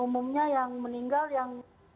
umumnya yang meninggal yang